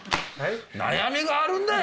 悩みがあるんだよ！